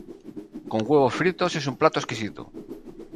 Con huevos fritos es un plato exquisito.